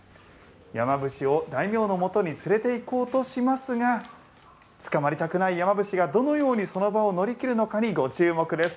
山伏を大名の元に連れていこうとしますが捕まりたくない山伏がどのようにその場を乗り切るのかにご注目です。